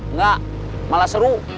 nggak malah seru